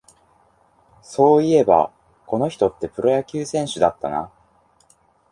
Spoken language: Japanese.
そういえば、この人ってプロ野球選手だったな